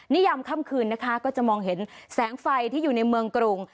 ยามค่ำคืนนะคะก็จะมองเห็นแสงไฟที่อยู่ในเมืองกรุง